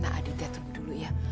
nah aditya dulu ya